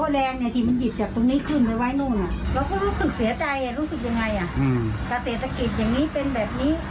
แล้วคุณรู้สึกเสียใจรู้สึกยังไงประเทศตะกิจอย่างนี้เป็นแบบนี้